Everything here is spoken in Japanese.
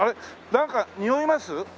なんかにおいます？